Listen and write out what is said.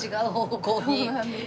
そうなんです。